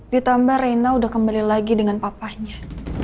ditambah reina udah kembali lagi dengan papanya